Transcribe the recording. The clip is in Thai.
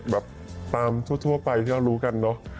แบบตามทั่วไปที่เรารู้กันเนอะ